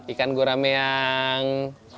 ikan gurami yang